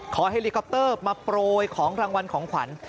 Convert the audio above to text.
เฮลิคอปเตอร์มาโปรยของรางวัลของขวัญ